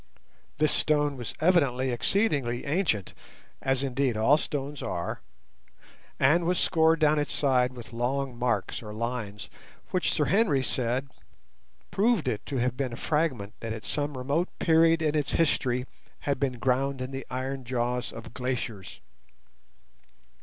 This stone was evidently exceedingly ancient (as indeed all stones are), and was scored down its sides with long marks or lines, which Sir Henry said proved it to have been a fragment that at some remote period in its history had been ground in the iron jaws of glaciers.